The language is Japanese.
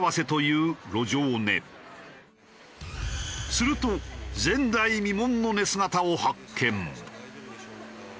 すると前代未聞の寝姿を発見。